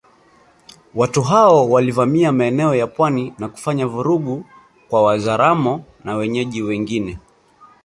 Watu hao walivamia maeneo ya pwani na kufanya vurugu kwa Wazaramo na wenyeji wengine